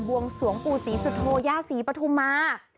วงสวงปู่ศรีสุโธย่าศรีปฐุมา